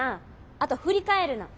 あと「振り返るな」。